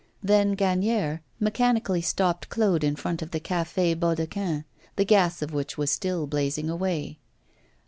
Then Gagnière mechanically stopped Claude in front of the Café Baudequin, the gas of which was still blazing away.